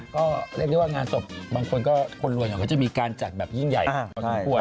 ก็เรียกได้ว่างานศพบางคนก็คนรวยเขาก็จะมีการจัดแบบยิ่งใหญ่พอสมควร